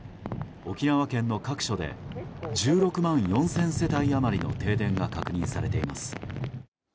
沖縄県の各所で１６万４０００世帯余りの停電が確認されています。